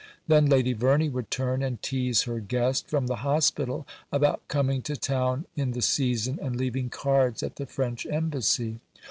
Then Lady Verney would turn and tease her guest from the hospital about coming to town in the season and leaving cards at the French Embassy.